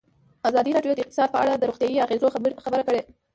ازادي راډیو د اقتصاد په اړه د روغتیایي اغېزو خبره کړې.